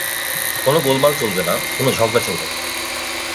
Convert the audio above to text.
কোন গোলমাল চলবে না, কোন ঝগড়া চলবেনা।